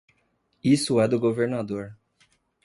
Isso é do governador.